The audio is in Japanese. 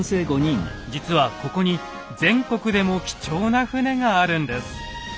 実はここに全国でも貴重な船があるんです。